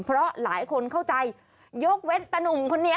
เพราะหลายคนเข้าใจยกเว้นตะนุ่มคนนี้